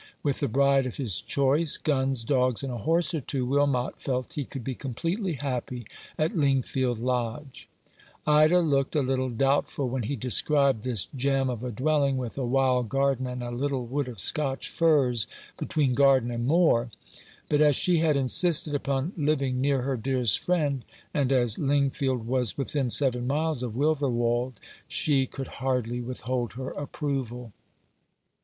With the bride of his choice, guns, dogs, and a horse or two, Wilmot felt he could be completely happy at Lingfield Lodge, 297 Rough Justice, Ida looked a little doubtful when he described this gem of a dwelling, with a wild garden, and a little wood of Scotch firs between garden and moor; but as she had insisted upon living near her dearest friend, and as Lingfield was within seven miles of Wilverwold, she could hardly withhold her approval.